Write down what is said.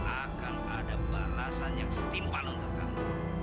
akan ada balasan yang setimpal untuk kamu